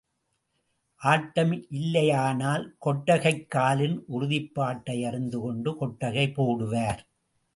ஆட்டம் இல்லையானால் கொட்டகைக் காலின் உறுதிப்பாட்டை அறிந்து கொண்டு கொட்டகை போடுவார்.